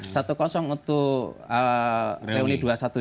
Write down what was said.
satu untuk reuni dua ratus dua belas